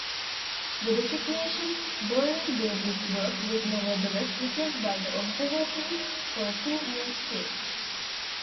The designation "Berlin-Babelsberg" was nevertheless retained by the observatory for a few years still.